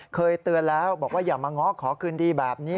เคยเตือนแล้วบอกว่าอย่ามาง้อขอคืนดีแบบนี้